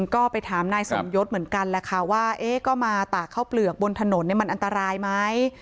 ก็ไปถามนายสมยศเหมือนกันแหละค่ะว่าก็มาตากข้าวเปลือกบนถนนมันอันตรายไหม